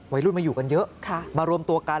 วัยรุ่นมาอยู่กันเยอะมารวมตัวกัน